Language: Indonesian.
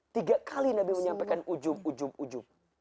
tiga kali nabi menyampaikan ujub ujub ujub